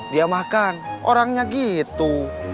dia makan orangnya gitu